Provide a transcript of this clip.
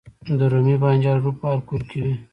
د رومي بانجان رب په هر کور کې وي.